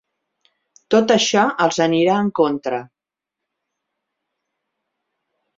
Tot això els anirà en contra